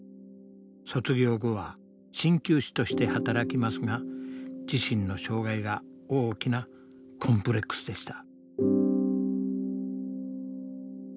卒業後は鍼灸師として働きますが自身の障害が大きなコンプレックスでした。